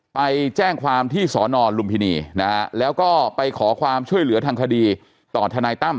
ไปแจ้งความที่สอนอลุมพินีนะฮะแล้วก็ไปขอความช่วยเหลือทางคดีต่อทนายตั้ม